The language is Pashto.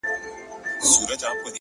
د زنې خال دې د لار ورکو لارښوونکی گراني”